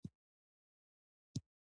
د ویښتو د ځلیدو لپاره باید څه شی وکاروم؟